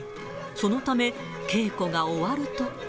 そのため、稽古が終わると。